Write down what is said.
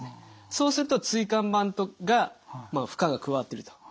そうすると椎間板が負荷が加わってると。